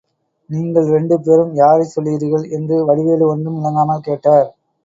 நீங்கள் இரண்டு பேரும் யாரைச் சொல்லுகிறீர்கள்? என்று வடிவேலு ஒன்றும் விளங்காமல் கேட்டார்.